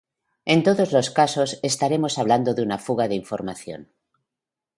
En todos los casos, estaremos hablando de una fuga de información.